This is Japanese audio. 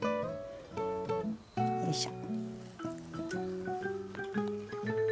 よいしょ。